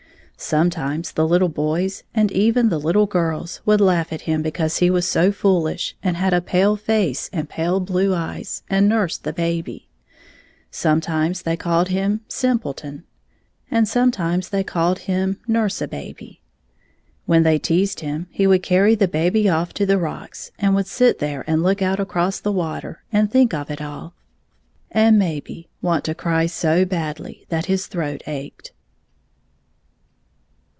Sometimes the little boys, and even the little girls, would laugh at him because he was so foolish, and had a pale face and pale blue eyes, and nursed the baby. Sometimes they called him *^ simpleton," and some times they called him " nurse a baby." When they teased him, he would carry the baby off to the rocks and would sit there and look out across the water and think of it all, and maybe want to cry so badly that his throat ached.